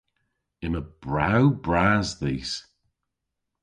Yma brew bras dhis.